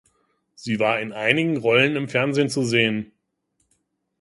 Sie war in einigen Rollen im Fernsehen zu sehen.